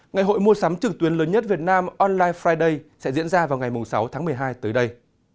ngày hội mua sắm trực tuyến lớn nhất việt nam online friday sẽ diễn ra vào ngày sáu tháng một mươi hai tới đây